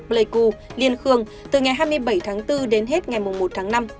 pleiku liên khương từ ngày hai mươi bảy tháng bốn đến hết ngày một tháng năm